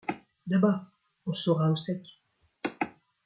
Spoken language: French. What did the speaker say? Là-bas, on sera au sec !